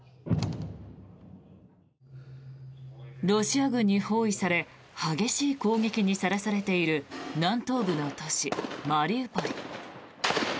ロシア軍に包囲され激しい攻撃にさらされている南東部の都市マリウポリ。